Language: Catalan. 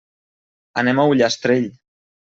Anem a Ullastrell.